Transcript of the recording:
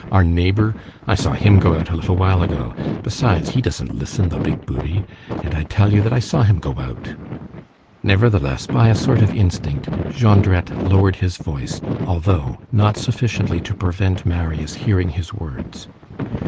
Our neighbor? I saw him go out a little while ago. Besides, he doesn't listen, the big booby. And I tell you that I saw him go out." Nevertheless, by a sort of instinct, Jondrette lowered his voice, although not sufficiently to prevent Marius hearing his words.